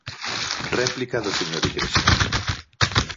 Réplica do señor Igrexa.